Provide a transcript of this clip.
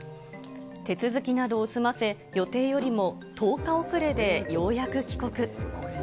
手続きなどを済ませ、予定よりも１０日遅れでようやく帰国。